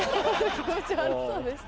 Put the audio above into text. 気持ち悪そうでした。